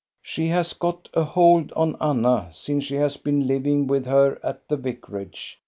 She has got a hold on Anna, since she has been living with her at the vicarage.